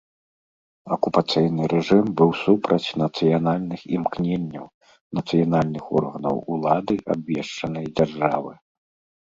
Акупацыйны рэжым быў супраць нацыянальных імкненняў, нацыянальных органаў улады абвешчанай дзяржавы.